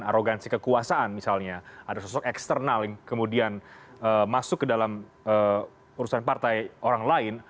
arogansi kekuasaan misalnya ada sosok eksternal yang kemudian masuk ke dalam urusan partai orang lain